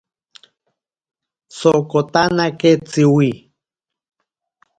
Sokotanake Tsiwi.